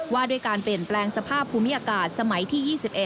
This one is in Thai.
ว่าด้วยการเปลี่ยนแปลงสภาพภูมิอากาศสมัยที่๒๑